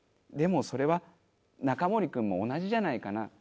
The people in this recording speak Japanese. でもそれはナカモリ君も同じじゃないかな。